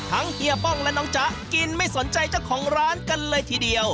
เฮียป้องและน้องจ๊ะกินไม่สนใจเจ้าของร้านกันเลยทีเดียว